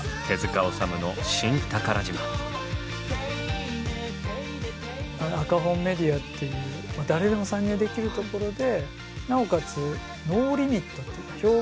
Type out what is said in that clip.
治虫の赤本メディアっていう誰でも参入できるところでなおかつノーリミットっていうか表現にノーリミットだったから。